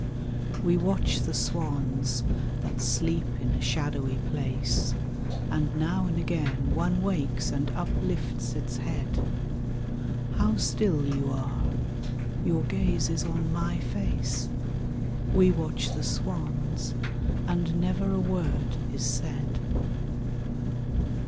We watch the swans that sleep in a shadowy place, And now and again one wakes and uplifts its head; How still you are your gaze is on my face We watch the swans and never a word is said.